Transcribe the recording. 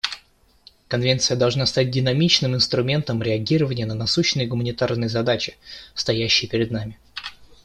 Конвенция должна стать динамичным инструментом реагирования на насущные гуманитарные задачи, стоящие перед нами.